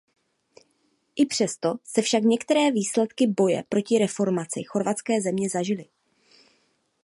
I přesto se však některé výsledky boje proti reformaci chorvatské země zažily.